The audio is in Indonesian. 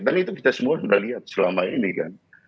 dan itu kita semua sudah lihat selama ini kan